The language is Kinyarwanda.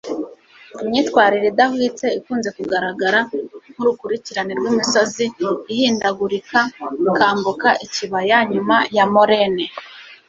Imyitwarire idahwitse ikunze kugaragara nkurukurikirane rwimisozi ihindagurika ikambuka ikibaya inyuma ya moraine .